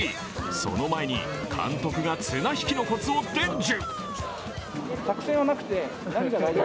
その前に監督が綱引きのこつを伝授。